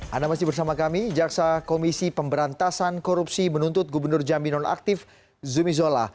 anda masih bersama kami jaksa komisi pemberantasan korupsi menuntut gubernur jambi nonaktif zumi zola